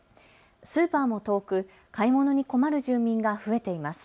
スーパーも遠く、買い物に困る住民が増えています。